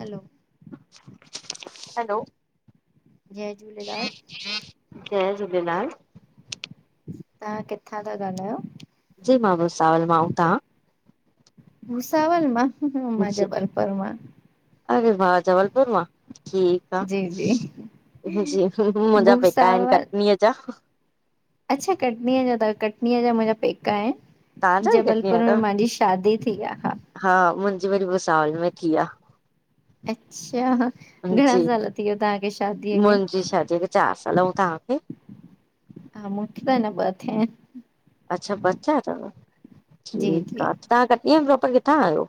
हलो hello जय झूलेलाल जय झूलेलाल तव्हां किथां था ॻाल्हायो? जी मां भुसावल आ अंऊ तव्हां? भुसावल मां, मा जी जबलपुर मां। अरे वा जबलपुर मां ठी जी जी जी मुंहिंजा पेका आहिनि भूसावल कटनीअ जा। अच्छा कटनीअ जा अथव कटनीअ जा मुंहिंजा पैक आहिन। तव्हांजा बि कटनीअ जा जबलपुर में तव? मांजी शादी थी आ हा। हा, मुंजी वरी बुसावल में थी आ। अच्छा, घणा साल थी विया तव्हांखे शादीअ खे? जी शादी खे चार साल, आऊं तहांखे? हा मुके त न बथे। अच्छा, ॿचिआ तव जी ठीक जी आ, तव्हां कटनी आ प्रोपर किथां आहियो?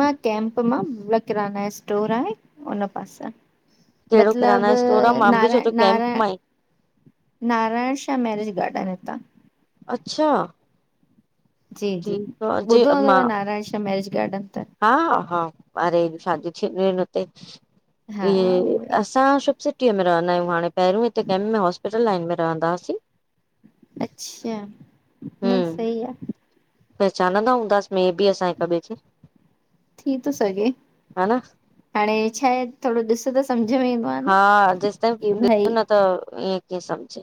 मां कैंप मां, मलप किराना स्टोर आहे हुन पासे आ। कहिड़ो मतलब किराना स्टोर आ, मां बि नारा सोचो कैंप नाराय मां ई, नारायण शाह मैरेज गार्डन हितां। अच्छा। जी जी, ठीक आ, ॿुधो हूंदव नारायण शाह मैरिज गार्डन? त हा-हा, हा अरे शादियूं थिंदियूं इन उते। हा इए उहो ई असां सुभ से ट में रहंदा आहियूं हाणे पहिरों हिते कें में हॉस्पिटल लाइन में रहंद हुआसी। अच्छा, न हम सही आ। पहचानंदा हूंदास में बि असां हिक ॿे खे। थी थो सघे, हा न हाणे छा आहे थोरो ॾिस त सम्झ में ईंदो। आ हा न जेसताईं की ॾिसो भई न त ईअं कीअं सम्झे।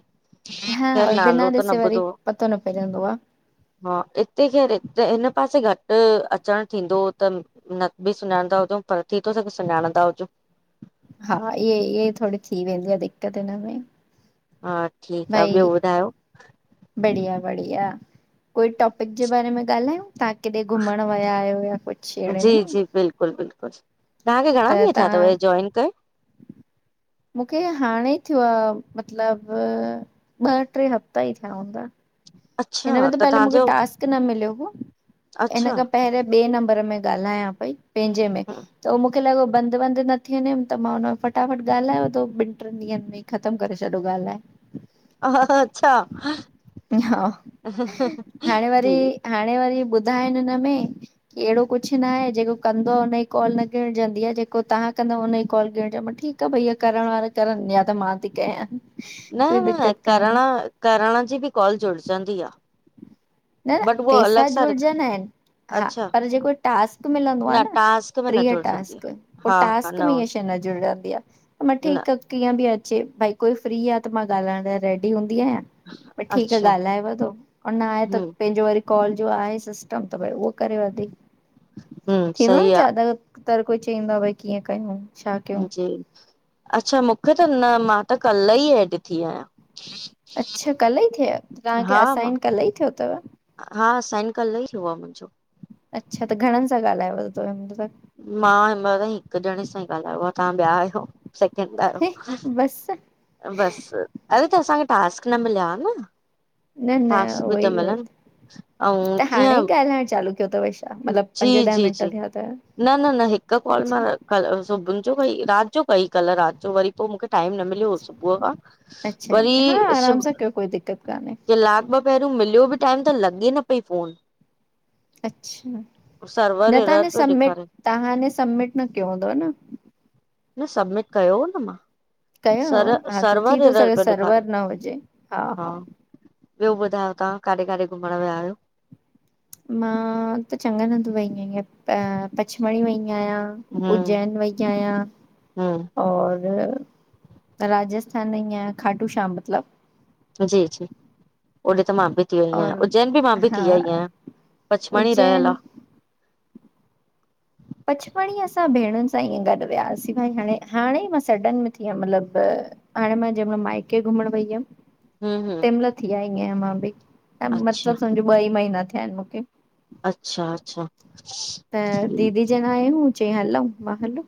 हा, खैर और बिना नालो त न ॾिसे वरी ॿुधो पतो न पएजंदो आ हा हिते केर हिन पासे घटि अचण थींदो हो त न बि सुञाणंदा हुजउं पर थी थो सघे सुञाणा हुजउं। हा इहे इहे ई थोरी थी वेंदी आ दिक़त हिन में। हा ठीक आ, ॿियो ॿुधायो? बढ़िया-बढ़िया, कोई टॉपिक जे बारे में ॻाल्हायूं। तव्हां किडे घुमण विया आयो या कुझु एड़े में। तव्हां घणा त ॾींहं थियी तव तव्हां हे जॉइन कये। मूंखे हाणे थियो आ मतिलब ॿ टे हफ़्ता ई थिया हूंदा। हिन अच्छा में त पहले मूंखे तव्हांजो टास्क न मिलियो हो, हिन अच्छा खां पहिरें ॿे नंबर में ॻाल्हायां पई पंहिंजे में। त उहो मूंखे लॻो बंद वंद न थी वञे त मां हुन में फटाफट ॻाल्हायो थो ॿिनि ट्रिनि ॾींहंन में। ख़तम करे छॾो ॻाल्हाए। अच्छा। हा हाणे जी वरी, हाणे वरी ॿुधाइन हिनमें। एड़ो कुझु न आहे जेको कंदो आ हुनजी कॉल न गिणजंदी आ जेको तव्हां कंदव उन जी कॉल गणजंदो मां जो ठीकु। त भईया करण वारा करनि या त मां थी कयां। न कोई दिक़त न, कान्हे करण करण जी बि कॉल जुड़जंदी आ न बट उहो पैसा अलॻि सां रिक जुड़जना आहिन। हा, अच्छा पर जेको टास्क मिलंदो आ न टास्क में न ट्रीह जुड़जंदी आ टास्क पो हा हा टास्क न में ईअ शइ न जुड़ंज दी आ, मां न ठीकु आ कीअं बि अचे भई कोई फ्री आहे त मां ॻाल्हाइण लाइ रेडी हूंदी आहियां। ई ठीकु अच्छा ॻाल्हाए धो न आहे त हम्म पंहिंजो वरी कॉल जो आहे सिस्टम त भई उहो करे वे, हम्म थींदो आ सही न ज्यादातर कोई चईंदो आ भई कीअं कयूं। छा कयूं जी, अच्छा, मूंखे त न मां त कल्ह ई एड थी आहियां। अच्छा कल्ह ई थियायो, तव्हांखे हा मां असाइन कल्ह ई थियो तव। हा साईं कल ई थियो आहे मुंहिंजो अच्छा त घणनि सां ॻाल्हाये वरतो तव मां हिमलताई हिकु ॼणे सां ई ॻाल्हायो आहे तव्हां ॿिया आहियो सैकिंड बस अहियो बसि अरे त असांखे टास्क न मिलिया हा न न न टास्क बि उहोई त मिलनि ऐं जीअं ल अञा चालू थयो तव स्ट जी जी जी न न न हिकु कॉल मां अच्छा कल सुबुह जो भई राति जो कई कल्ह राति जो वरी पोइ मूंखे टाइम न मिल यो सुबु खां अच्छा वरी ईअं हा आराम सुब सां कयो कोई दिक़त कान्हे जे लाब पहिरियों मिलियो बि टाइम त लॻे न पई फोन अच्छा न सर्वर त ह एरर ने पियो सबमिट ॾेखारे तव्हां ह ने सबमिट न कयो हूंदोव न न सबमिट कयो हो न मां कयो हुयव सर हा त थी सर्वरर थो एरर सघे पेययो ॾेखारे सर्वर न हुजे हा ॿियो ॿुधायो तव्हां काॾे काॾे घुमण विया आहियो मां त चङनि हंधि वई आई आहियां पछमड़ी वई आहियां हम्म उज्जैन वई हम्म आहियां और राजस्थान नयी अयां खाटू श्यामतिलब जी जी ओॾे त मां बि थीआईं आहियां और उज्जैन बि मां बि हा थी आई आहियां पचमणी उज्जैन रहियल आह पचपणी असां भेणुनि सां ईअं गॾु वियासीं भई हाणे हाणे ई मां सडन में थी आयम मतिलबु हाणे मां जंहिंमहिल माइके घुमण वई हुयमि हम्म हम्म तंहिंमहिल थी आई आहियां मां बि अच्छा मतिलबु सम्झो ॿ ई महीना थिया आहिनि मूंखे अच्छा अचछा त दीदी जन आयूंहूं चईं हलऊूं मां हलो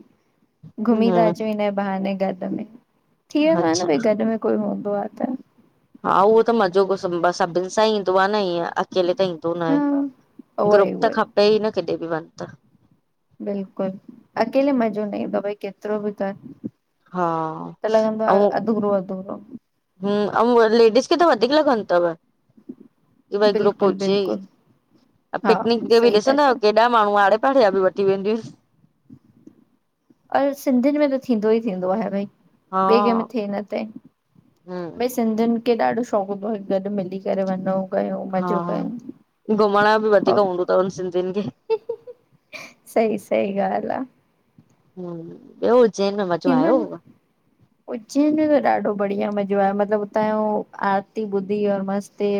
घुमी ता हम्म अचूं हिने बहाने गॾ में थी वेंदो आहे अच्छा न भई गॾ में कोई हूंदो आह त हा उहो त मज़ो को सुंॿा सभिनि सां ईं ईंदो आहे न ईअं अकेले त ईंदो न हा आहे उहो ई ग्रुप उहो त खपे ई न केॾे ॿि वञ त बिल्कुल अकेले मज़ो ईंदो न आ भई केतिरो बि कर। हा पहले हुंदो हो अध गुरो अध गुरो हूं ऐं लेडिस खे त वधीक लगनि तव की भई ग्रुप बिल्कुलु हुजे ही बिल्कुलु ऐं हा पिकनिक डे पे सही था ॾिसंदा चओ आहियो केर ॾह हेॾा माण्हू आड़े पाड़े जा बि वेंदी अर सिंधियुनि में त थींदो ई थींदो आहे भई ॿिए कंहिंमें हा थिए न ते हम्म भई सिंधियुनि खे ॾाढो शौक़ु गॾु मिली करे वञो कयूं हा मज़ो कयूं घुमण यो बि वधीक हूंदोतवन सिंधियुनि खे सई सई ॻाल्हि आह हम ॿियो उज्जैन में मज़ो थींदो न आयोहुव? उज्जैन में त ॾाढो बढ़िया मज़ो आ मतिलबु उतां यो आरती ॿुधी और मस्ती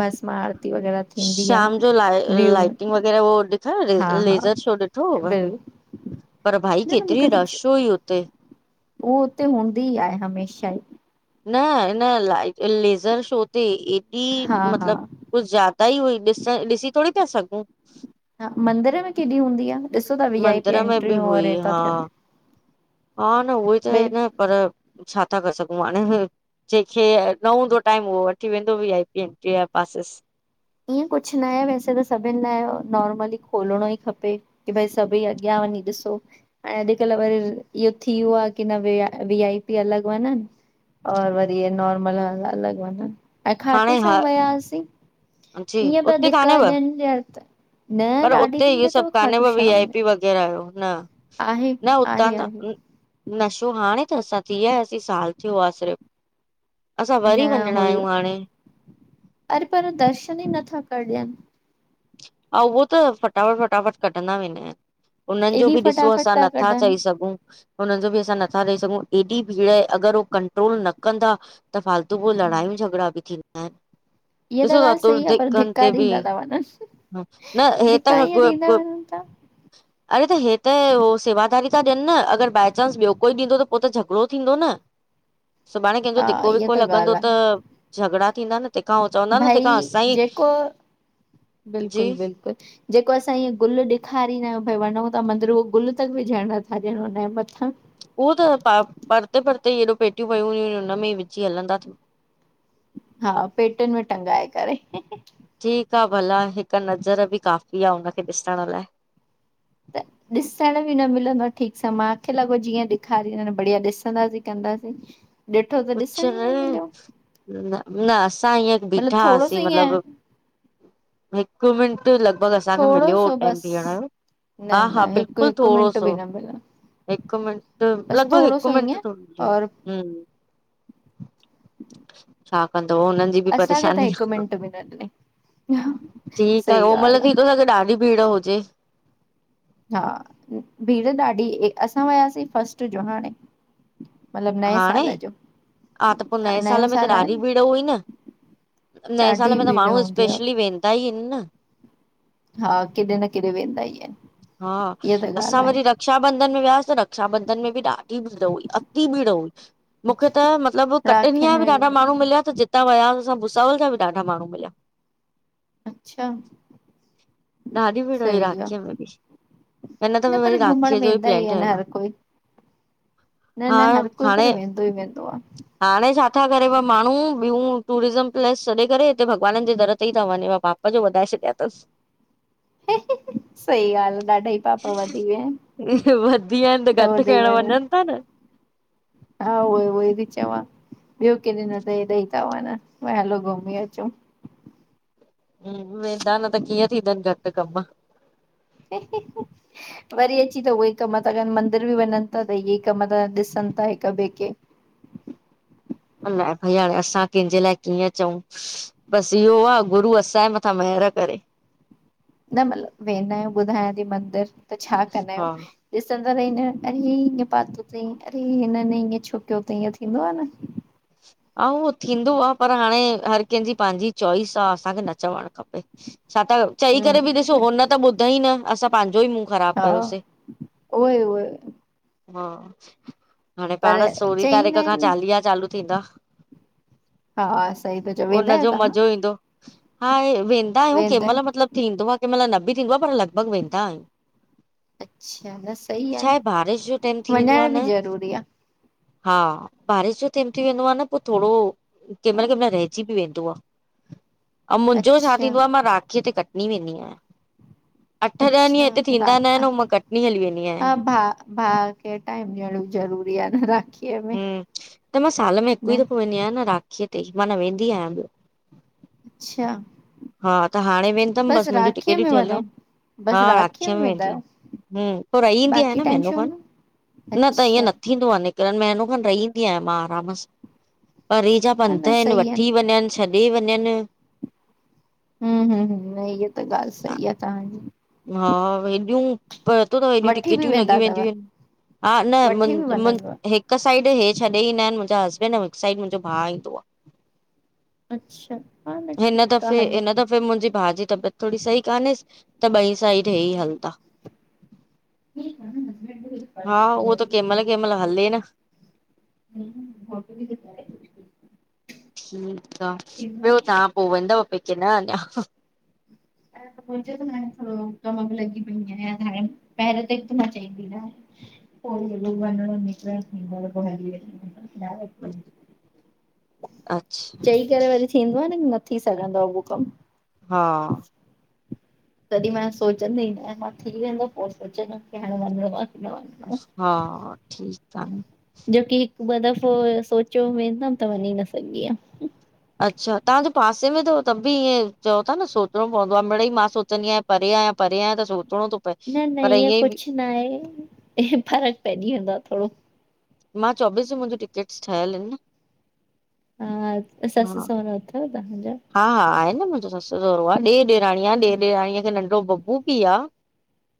बस महाआरती वग़ैरह थींदी शाम आहे जो लाइ ल व्यू लाइटिंग वग़ैरह हो ॾिठव हा हा लेज़र शो ॾिठोअव? बिल पर भाई न न मूंखे केतिरी त रश हुई हुते उहो हुते हूंदी ई आहे हमेशा ई न न लाइ लेज़र शो ते एॾी हा हा मतिलब कुझ ज्यादा ई हुई ॾिसण ॾिसी थोरी पिया सघूं हा मंदर में केॾी हूंदी आह ॾिसो था वी आई पी मंदर में बि एंट्रियूंगह और हुई हे ता हा थियनि हा न उई त भई न पर छा था, करे सघूं हाणे? जेंखे अ न हूंदो टाइम, उहो वठी वेंदो वीआईपी एन्ट्री जा पासिस। ईअं कुझु नये वैसे त सभिनि लाइ अ नॉर्मली खोलिणो ई खपे की भई सभई अॻियां वंञी ॾिसो। अई अॼुकल्हि वरी र इहो थियो आह की न वी आई, वीआईपी अलॻि हुवा न। और वरी नोर्मल अल अलॻि वंञनि, ऐं खाटू श्याम वयासीं। अंजी उते काने व ॼण त न पर ॾाढी उते भीड़ इयो सभु अथव काने खाटू व, वी श्याम आई में पी वग़ैरह जो न। आहे न हुतां आहे त आहे नशो हाण थसां? थियासिं साल थियो आह सिर्फ़ु। असां वरी न वंञणा हुयो अयूं हाणे। अरे पर दर्शन ई नथा कर ॾियनि! ऐंा उहो त फटाफट-फटाफट कढंदा वेंदा अनि। उननि जो एॾी बि ॾिसो फटाफट असां था नथा कढनि चई सघूं! उननि जो बि असां नथा डई सघूं एॾी भीड़ आए अगरि उ कंट्रोल न कंदा त फाल तू पो लड़ायूं झगिड़ा बि थींदा अनि ॾिसो त तुर जेकनि ते बि न [unintelligible] ह न हे त न [unintelligible] था अरे, त हे त हो सेवादारी ता ॾियनि न, अगरि बाए चांस ॿियो कोई ॾींदो त पो त झगिड़ो थींदो न। सुभाणे केंजो हा धिको इहा विको त ॻाल्हि लॻंदो त, आहे झगिड़ा थींदा न। तेंखां हू चवंदा न, जेंखां भई असाईं, जेको जी बिल्कुलु बिल्कुलु जेको असां इअ गुलु ॾेखारींदा अयूं भई वञूं था मंदरू, गुलु तक विझण नथा ॾियण हुनजे मथां। उह त प परते परते हेॾो पेटियूं पयूं हुयूं हुनमें ई विझी हलंदा थियु। हा, पेटीयुनि में टंगाए करे। खिलण जो आवाज़ ठीकु आह भला, हिकु नज़र बि काफ़ी आह हुनखे ॾिसण लाए। त ॾिसण बि न मिलंदो आह ठीकु सां, मूंखे लॻो जीअं ॾेखारी बढ़िया, ॾिसंदासीं कंदासीं। ॾिठो त कुछ ॾिसणि ई न मिलियो। न, न असां हींअ मतिलबु बिठा थोरो सो हासीं ईअं मतिलबु हिकु मिन्ट लॻिभॻि असांखे थोरो मिलियो हो सो टाइम बसि बीहण हा, न हा, न हिकु बिल्कुल हिकु थोङो मिंट सो बि न मिलंदो हिकु मिन्ट, बसि लॻिभॻि थोरो सो हिकु मिन्ट ईअं थोरी मिलियो और हो छा, कंदोव? उननि ही बि असांखे त परेशानी हिकु आह, मिंट बि न ॾिनई कि त सही ओमल ॻाल्हि आहे थी तो सघे ॾाढी भीड़ हुजे। हा, भीड़ ॾाढी, असां वयासीं फस्ट जो, हाणे। मतिलबु नए हाणे, साल जो हा त पो नए नयो सालु में त साल आहे ॾाढी न भीड़ हुई न नए ॾाढी सालु में त भीड़ माण्हू, हूंदी आ स्पेशली वेंदा ईं अनि न। हा, केॾे न केॾे वेंदा ई अनि। हा, असां वरी र क्षााबंधन में वियासीं त रक्षााबंधन में बि ॾाढी भीड़ हुई, अति भीड़ हुई। मूंखे त, अच्छा मतिलबु कटनीअ जा बि राखियुनि में ॾाढा माण्हू मिलया त जितां वयासि भुसावल जा बि ॾाढा माण्हू मिलिया। अच्छा [unintelligible] ॾाढी भीङ हुई सही आ राखीय में ब हिन दफे न वरी पर घुमण राखीय जो ईं वेंदा ई प्लान आहिनि ठहियलु आह। हर कोई न न, हर कोई पर वेंदो ईं वेंदो आह। हाणे छा था करेव माण्हू ॿियूं टूरिज़म प्लेस छॾे करे, हिते भॻवाननि जे दर ते ई था वंञेव पा अॼु वधाए छॾियां थसि। सही ॻाल्ह आ, ॾाढा ईं पाप वधी विया आहिन। वधी विया आहिन त घटि करण वञनि था न। हा, उहो उहो ई थी चवां, ॿियो केॾे न त एॾेईं ता वञनि, हलो घुमी अचो। वेंदा न त कीअं थींदनि घटि कमु [inaudible] वरी अची त उहेईं कमू था करन, मंदर बि वञनि था त इहे कम तन, ॾिसनि था हिकु ॿे खे। अलाए, भई हाणे असां कंहिंजे लाए कीअं चऊं। बसि इहो आ, गुरू असांजे मथां महरि करे। न मतिलब, वेंदा आहियूं ॿुधायां थी मंदर, त छा कंदा आयूं। हा ॾिसंदा रहीदां आहिन त, हि हिंयं पातो तईं, अरे हिनन ईअं छो कियो तईं, ये थींदो आ न। [inaudible] हा, उहो थींदो आहे पर, हाणे हर कंहिंजी पंहिंजी चॉइस आ, असांखे न चवणु खपे। छा त, चई करे बि ॾिसो हम्म हुन त ॿुधई न असां पांजो ई मुंह ख़राब हा कयोसी, उहे उहे हा। हाणे पर पाण सोरीं तारीख़ चईंदा खां आहिनि न चालीहा चालू थींदा। हा, सही ता चायो, वेंदा आयो उनजो तव्हां? मज़ो ईंदो। हा, वेंदा आयूं कंहिं मल मतलबु थींदो आ, कंहिं मल न बि थींदो आ, पर लॻभॻि वेंदा आयूं। अच्छा न सही छा न आहे, बारिश जो टाइम थी वेंदो आ वञण बि न ज़रूरी आहे हा, बारिश जो टाइम थी वेंदो आ न पोए थोरो कें हा मल, कें मल रहिजी बि वेंदो आ, अऊं मुंजो छा अच्छा थींदो आ मां राखीअ ते क टनी वेंदीं आयां, अठ ॾह ॾींहं अच्छा हिते थींदा न आहिन अऊं मां कटनी हली वेंदी आयां। हा भा खे टाइम ॾियणो ज़रूरी आ न राखी हूं, त मां साल में हिकु ई दफ़ो वेंदी आयां न राखीअ ते, मा न वेंदी आयां ॿियो। अच्छा। हा, त हाणे वेंदमि, बसि मुंहिंजी राखीअ टिकेटूं में ठियल वञो? आहिन। हा बसि राखीअ में वेंदा वेंदी आईं, आहियो? हूं पो रही ईंदी आहे बाक़ी न टाइम महिनो छो खण। अच्छा। थींदो आ निकिरण महिनो खण रही ईंदी आहियां मां आराम सां, परे जा न पंध न आहिन, सही आहिनि। वठी वञनि, छॾे वञनि। हूं हूं हूं हूं, इअ त ॻाल्ह सही आ तहांजी। हा हेॾियूं पतो थव, हेॾियूं वठी बि टिकेटियूं वेंदा लॻी अथव? वेंदियूं आहिन, हा न वठी मुन बि मुन वञनव? हे हिकु साइड हे छॾे ईंदा आहिन मुंहिंजा हसबैंड ऐं हिकु साइड मुंहिंजो भाउ ईंदो आ। अच्छा, हा त ठीक आ, हले। त मुंजे भाउ जी तबियत थोड़ी सही कान्हे त ॿई साइड हे ई हलदा। हा उहो त कें मल कें मल हले न। [unintelligible] ठीकु आ, ॿियो तव्हां पो वेंदव पेके, न अञा। अञा त पहुतम हाणे, थोड़ो कम में लॻी पइ आहियां हाणे। पहिरे त हिकु न चहींदी न। पो इलो बधण थी वेंदो आ पो हली वेंदी आयां। अच्छा चई करे वरी थींदो आ न की न थी सघंदो आ उहो कमु। हा, तॾीं मां सोचंदी ई न आयां मां, थी वेंदो पो सोचंदमि की हाणे वञिणो आ की न वञिणो आ। हा, ठीक आ न। जोकी हिक ॿ दफ़ो सोचो वेंदम त वञी न सघी यम। अच्छा तव्हांजे पासे में तव तब बि ईअं चओ ता न सोचणो पवंदो आ, मिड़ई मां सोचंदी आयां परेयां, परेयां त सोचणो त न न ईअं कुछ न आहे, फ़र्क़ पइजी वेंदो आ थोड़ो। मां चोबीस जूं मुंजी टिकेट्स ठहयल एन न। हा, सस हा सहुरो अथव तव्हांजा? हा हा आहे न मुंजो सस सहुरो आ, ॾे ॾेराणी आ, ॾे ॾेराणीअ खे नंढो बबू बि आ।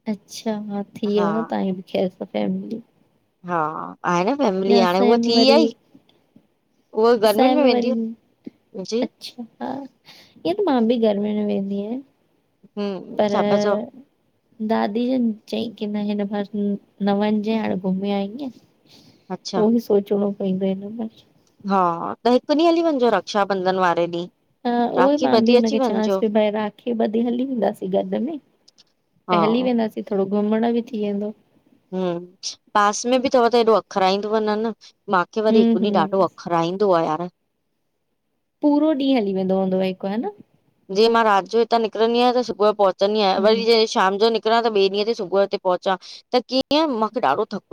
अच्छा हा, हा थीयव तव्हांजी खैर त फैमिली। हा आहे र न फैमिली हाणे असांजे उहा में थी वरी आई, उहा गर्मियूंन असांजे में वरी वेंदीयूं जी अच्छा हा, ईअं त मां ॿि गर्मियूंन में वेंदी आयां। हम्म पर छा पिया चओ दादी जन चईं कि न हिन भेरे न वञजय, हाणे घुमी आईअं। अच्छा त उहोबी सोचणो पंईदो इन में। हा त, हिक ॾींह हली वञजो रक्षाबंधन वारे ॾींह। हा उहोई मां बि हिन खे चवांस पइ भई राखी ॿधे हली ईदासीं गॾ में। हा त हली वेंदासीं, थोड़ो घुमण ॿि थी वेंदो। हूं, पास में बि तव त हेॾो अखराईंदोव न न। मां खे वरी हम्म हिक ॾींह ॾाढो हम्म अखराईंदो आह यार। पूरो ॾींह हली वेंदो हूंद्व हिक ह न। जीयं मां रात जो हितां निकरंदी आयां त सुबुह पोहुचंदी आयां, हम्म वरी शाम जो निकरां त ॿिए ॾींहं ते सुबुह हिते पहुचा, त कीअं मांखे ॾाढो थक